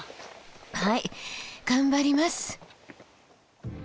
はい頑張ります！